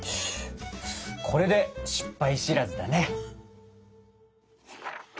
これで失敗知らずだね！